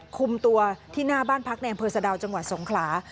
คุมตัวที่หน้าบ้านพักในอำเภอสะดาวจังหวัดสงขลา